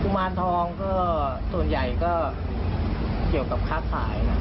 มารทองก็ส่วนใหญ่ก็เกี่ยวกับค้าขาย